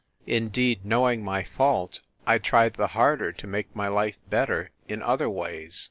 Indeed, knowing my fault, I tried the harder to make my life better in other ways.